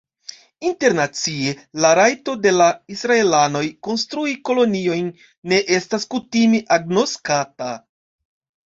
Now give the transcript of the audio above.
Internacie, la rajto de la Israelanoj konstrui koloniojn ne estas kutime agnoskata.